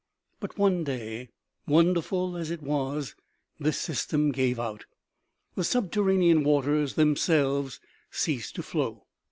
But one day, wonderful as it was, this system gave out. The subterranean waters themselves ceased to flow.